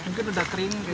mungkin sudah kering